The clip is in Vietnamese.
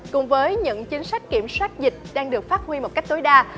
cùng với những chính sách kiểm soát dịch đang được phát huy một cách tối đa